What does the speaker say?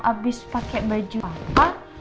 abis pake baju papa